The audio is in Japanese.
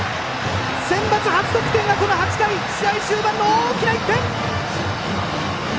センバツ初得点が８回、試合終盤の大きな１点！